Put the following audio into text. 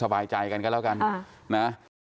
ได้ไหมเอาทางนั้น